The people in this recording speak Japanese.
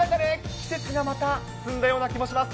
季節がまた進んだような気もします。